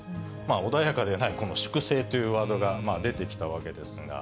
穏やかでないこの粛清というワードが出てきたわけですが。